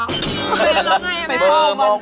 แล้วไงมั้ย